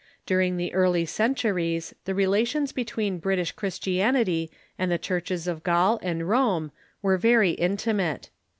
During the early centuries the relations between British Christianity and the churches of Gaul and Rome were very intimate.